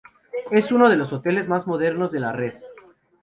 Es uno de los hoteles más modernos de la red.